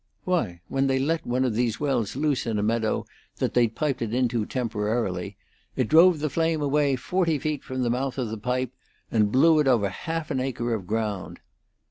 Why, when they let one of these wells loose in a meadow that they'd piped it into temporarily, it drove the flame away forty feet from the mouth of the pipe and blew it over half an acre of ground.